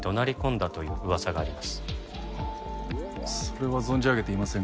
それは存じ上げていませんが。